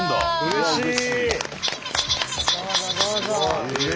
うれしい。